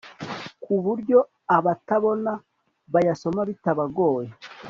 ku buryo abatabona bayasoma bitabagoye